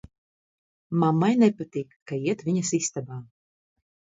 Mammai nepatīk, ka iet viņas istabā.